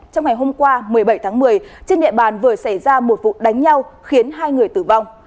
trong ngày hôm qua một mươi bảy tháng một mươi trên địa bàn vừa xảy ra một vụ đánh nhau khiến hai người tử vong